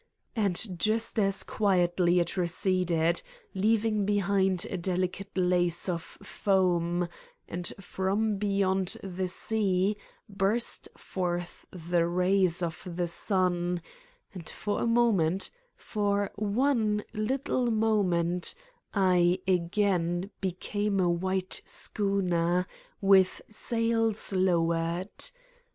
And just as quietly it receded, leaving behind a delicate lace of foam, and from beyond the sea burst forth the rays of the sun, and for a moment, for one, little moment, I again became a white schooner, with sails lowered.